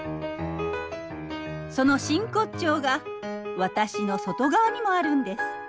その真骨頂が私の外側にもあるんです。